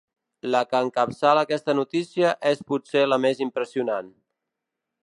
La que encapçala aquesta notícia és potser la més impressionant.